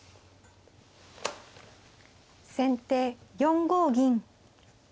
先手４五銀。